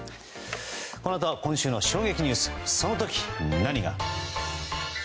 このあとは今週の衝撃ニュースその時何が。